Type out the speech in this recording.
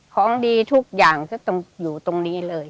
ของดีทุกอย่างก็ต้องอยู่ตรงนี้เลย